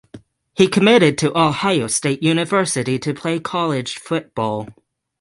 He committed to Ohio State University to play college football.